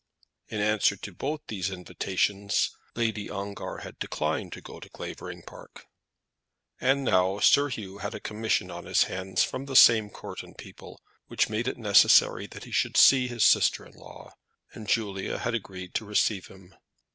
In answer to both these invitations, Lady Ongar had declined to go to Clavering Park. And now Sir Hugh had a commission on his hands from the same Courton people, which made it necessary that he should see his sister in law, and Julia had agreed to receive him.